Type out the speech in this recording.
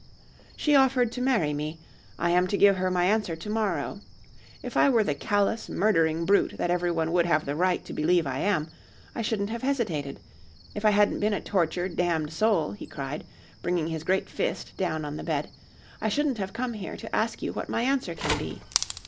"She offered to marry me. I am to give her my answer to morrow. If I were the callous, murdering brute that everyone would have the right to believe I am, I shouldn't have hesitated. If I hadn't been a tortured, damned soul," he cried, bringing his great fist down on the bed, "I shouldn't have come here to ask you what my answer can be.